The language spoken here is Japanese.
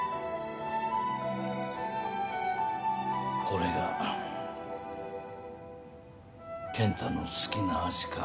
これが健太の好きな味か。